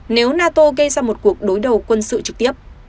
nếu nato gây ra một cuộc đối đầu quân sự trực tiếp